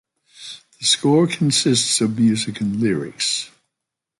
The score consists of music and lyrics.